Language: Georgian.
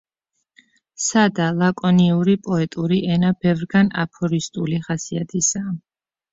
სადა, ლაკონიური პოეტური ენა ბევრგან აფორისტული ხასიათისაა.